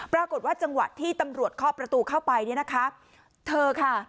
ปรากฏว่าจังหวะที่ตำรวจเคาะประตูเข้าไปเนี่ยนะคะเธอค่ะ